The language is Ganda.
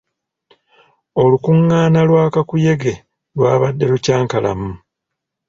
Olukungaana lwa kakuyege lwabadde lukyankalamu.